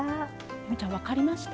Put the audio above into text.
望結ちゃん分かりました？